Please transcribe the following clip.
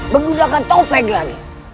menggunakan topeng lagi